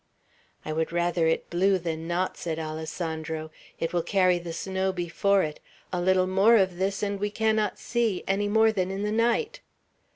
"I would rather it blew than not," said Alessandro; "it will carry the snow before it. A little more of this, and we cannot see, any more than in the night."